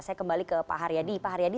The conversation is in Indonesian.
saya kembali ke pak haryadi